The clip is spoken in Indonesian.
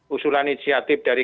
usulan inisiatif dari